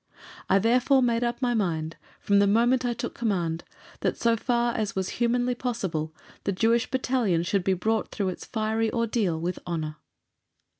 I therefore made up my mind, from the moment I took command, that, so far as was humanly possible, the Jewish Battalion should be brought through its fiery ordeal with honour.